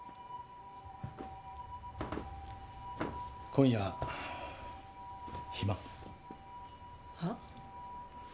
今夜暇？は？